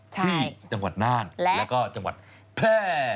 ที่จังหวัดน่านแล้วก็จังหวัดแพร่